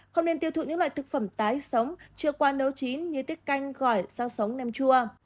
không nên tiêu thụ những loại thực phẩm tái sống chưa qua nấu chín như tiết canh gỏi rau sống nem chua